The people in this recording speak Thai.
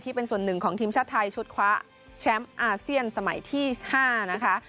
เป็นส่วนหนึ่งของทีมชาติไทยชุดคว้าแชมป์อาเซียนสมัยที่๕นะคะ